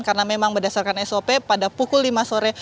karena memang berdasarkan sop pada pukul lima sore